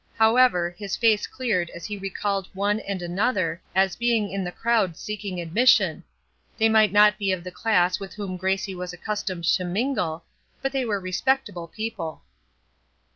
However, his face cleared as he recalled one and another, as being in the crowd seeking admission; they might not be of the class with whom Gracie was accustomed to mingle, but they were respectable people.